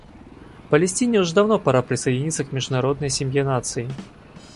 Палестине уже давно пора присоединиться к международной семье наций.